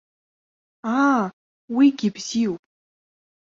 Аа, уигьы бзиоуп.